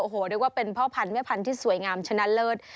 โอ้โหเรียกว่าเป็นพ่อพันธุแม่พันธุ์ที่สวยงามชนะเลิศ